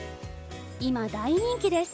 今大人気です。